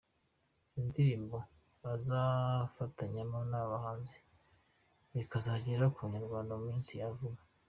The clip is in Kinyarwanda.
Indirimbo azafatanyamo n’aba bahanzi zikazagera ku banyarwanda mu minsi ya vuba.